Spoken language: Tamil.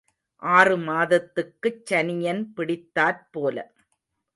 ஆறு மாதத்துக்குச் சனியன் பிடித்தாற் போல.